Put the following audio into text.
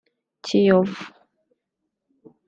Kiyovu